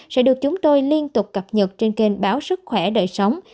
sẽ được chúng tôi liên tục cập nhật trên kênh báo sức khỏe đời sống